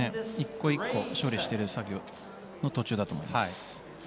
１個１個処理している作業の途中だと思います。